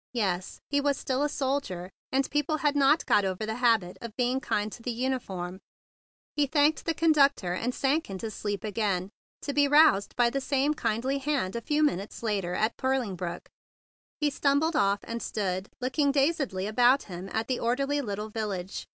Yes, he was still a soldier, and people had not got over the habit of being kind to the uniform. He thanked the conductor, and sank into sleep again, to be roused by the same kindly hand a few minutes later at Pur THE BIG BLUE SOLDIER 33 ling Brook. He stumbled off, and stood looking dazedly about him at the trig little village.